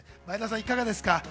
前田さん、いかがですか？